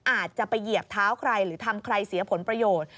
อาจจะไปเหยียบเท้าใครหรือทำใครเสียผลประโยชน์